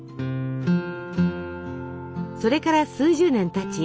それから数十年たち